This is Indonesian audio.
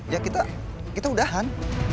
ya kita kita udahan